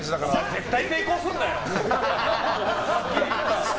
絶対成功すんなよ。